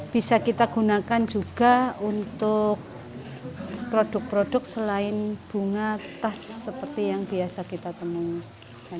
bisa kita gunakan juga untuk produk produk selain bunga tas seperti yang biasa kita temukan